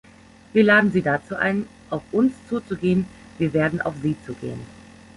Wir laden Sie dazu ein, auf uns zuzugehen, wir werden auf Sie zugehen.